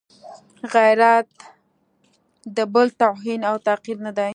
غیرت د بل توهین او تحقیر نه دی.